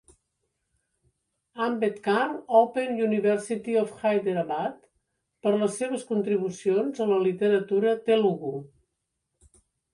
Ambedkar Open University of Hyderabad, per les seves contribucions a la literatura Telugu.